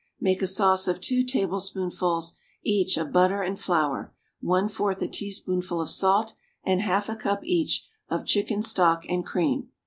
Make a sauce of two tablespoonfuls, each, of butter and flour, one fourth a teaspoonful of salt and half a cup, each, of chicken stock and cream.